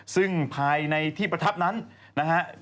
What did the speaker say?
ซึ่งภายในที่ประทับนั้นนะฮะ